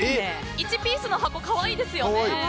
１ピースの箱、可愛いですよね。